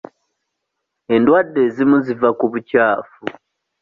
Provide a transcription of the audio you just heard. Endwadde ezimu ziva ku bukyafu.